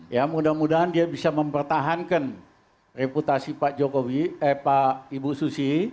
ya mudah mudahan dia bisa mempertahankan reputasi pak jokowi eh pak ibu susi